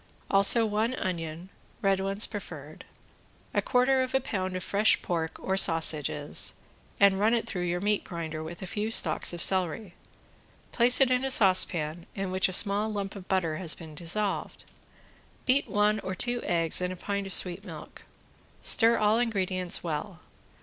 Also one onion (red ones preferred), a quarter of a pound of fresh pork, or sausages, and run it through your meat grinder with a few stalks of celery; place it in a saucepan, in which a small lump of butter has been dissolved. Beat one or two eggs in a pint of sweet milk. Stir all ingredients well.